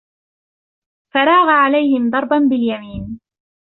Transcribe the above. فَرَاغَ عَلَيْهِمْ ضَرْبًا بِالْيَمِينِ